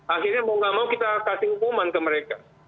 akhirnya mau gak mau kita kasih hukuman ke mereka